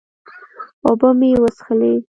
اوبۀ مې وڅښلې